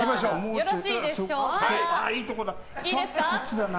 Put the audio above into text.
ちょっとこっちだな。